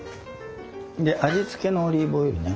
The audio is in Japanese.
で味付けのオリーブオイルね